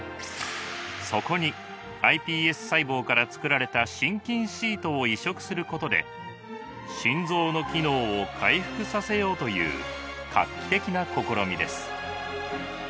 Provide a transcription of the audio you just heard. そこにｉＰＳ細胞からつくられた心筋シートを移植することで心臓の機能を回復させようという画期的な試みです。